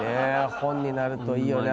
本になるといいよね。